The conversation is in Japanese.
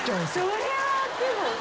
それはでも。